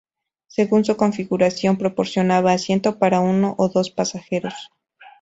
Según su configuración, proporcionaba asiento para uno o dos pasajeros.